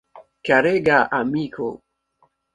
Karega amiko!